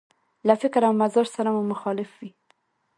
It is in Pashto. له فکر او مزاج سره مو مخالف وي.